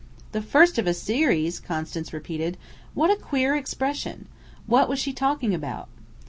'" "The first of a series!" Constance repeated. "What a queer expression! What was she talking about?"